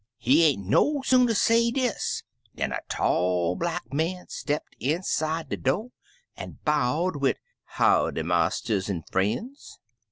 He ain't no sooner say dis, dan a tall black man stepped inside de do' an' bowed, wid 'Howdy, marsters an' frien's!'